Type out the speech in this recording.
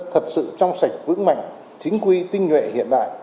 thật sự trong sạch vững mạnh chính quy tinh nhuệ hiện đại